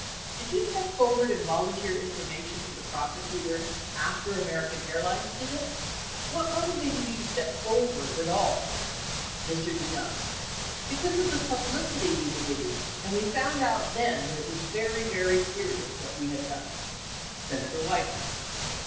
Did you step forward and volunteer in formation to the prosecutor after American Airlines did it ? What motivated you to step forward at all ? Mr. DeYoung. Because of the publicity we were getting and we found out then that it was very, very serious, what we had done. Senator Weicker.